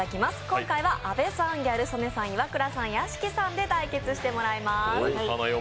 今回は阿部さん、ギャル曽根さん、イワクラさん、屋敷さんで対決していただきます。